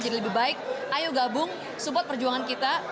jadi lebih baik ayo gabung support perjuangan kita